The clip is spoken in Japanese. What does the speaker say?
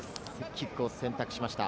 キックを選択しました。